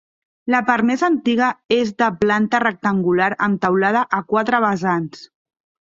La part més antiga és de planta rectangular amb teulada a quatre vessants.